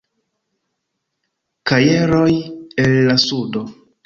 Kajeroj el la Sudo.